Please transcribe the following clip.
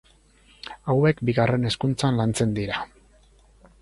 Hauek bigarren hezkuntzan lantzen dira.